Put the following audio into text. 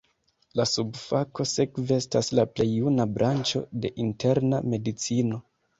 La subfako sekve estas la plej juna branĉo de interna medicino.